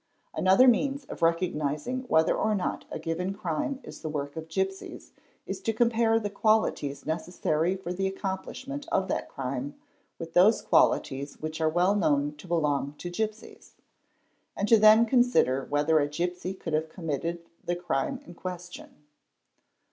. Another means of recognising whether or not a given crime is the work of gipsies is to compare the qualities necessary for the accomplish ment of that crime with those qualities which are well known to belong to gipsies, and to then consider whether a gipsy could have committed — the crime in question.